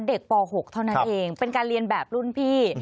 ป๖เท่านั้นเองเป็นการเรียนแบบรุ่นพี่